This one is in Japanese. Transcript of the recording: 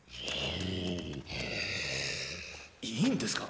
いいんですか？